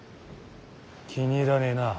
気に入らねえな。